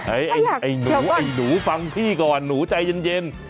ไอ้หนูไอ้หนูฟังพี่ก่อนหนูใจเย็น